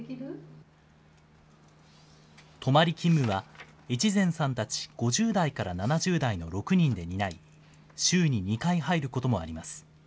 泊まり勤務は越前さんたち５０代から７０代の６人で担い、週に２回入ることもあります。